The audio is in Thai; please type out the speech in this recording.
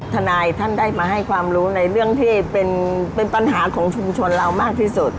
ทนายท่านได้มาให้ความรู้ในเรื่องที่เป็นปัญหาของชุมชนเรามากที่สุด